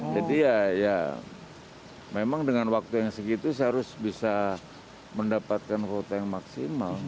jadi ya ya memang dengan waktu yang segitu seharus bisa mendapatkan foto yang maksimal